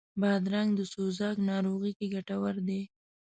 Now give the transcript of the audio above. بادرنګ د سوزاک ناروغي کې ګټور دی.